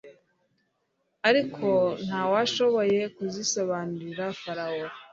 ariko nta washoboye kuzisobanurira farawo